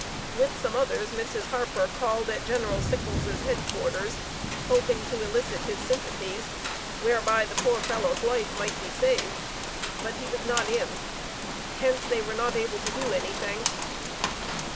With some others, Mrs. Harper called at General Sickles' Head Quarters, hoping to elicit his sympathies whereby the poor fellow's life might be saved; but he was not in. Hence they were not able to do anything.